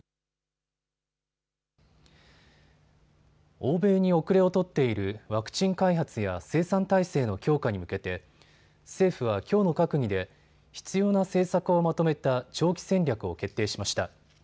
欧米に後れを取っているワクチン開発や生産体制の強化に向けて政府はきょうの閣議で必要な政策をまとめた長期戦略を決定しました。